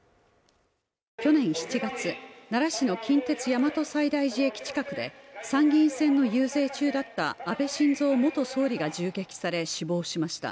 去年７月、奈良市の近鉄・大和西大寺駅近くで参議院選の遊説中だった安倍晋三元総理が銃撃され死亡しました。